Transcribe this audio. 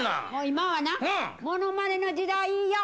今はなものまねの時代よ。